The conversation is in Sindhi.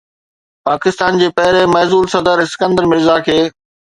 پاڪستان جي پهرين معزول صدر اسڪندر مرزا کي